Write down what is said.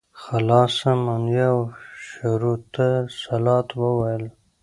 خلاصه مونيه او شروط الصلاة وويل.